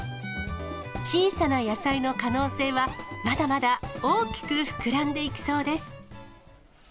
小さな野菜の可能性は、まだまだ大きく膨らんでいきそうです。